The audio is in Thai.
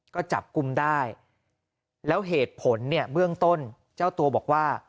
ก็จับกลุ่มได้แล้วเหตุผลเนี่ยเบื้องต้นเจ้าตัวบอกว่า